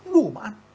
đủ mà ăn